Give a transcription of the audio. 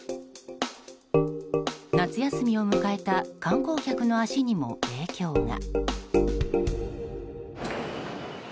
夏休みを迎えた観光客の足にも影響が。